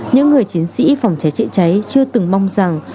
những người chiến sĩ phòng cháy chữa cháy chưa từng mong rằng